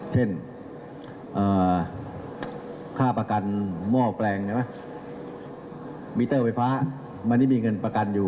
เช่นเค้าประกันม่วงแปลงเมียวไฟฟ้าไม่ได้มีเงินประกันอยู่